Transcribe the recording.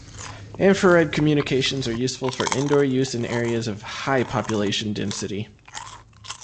Infrared communications are useful for indoor use in areas of high population density.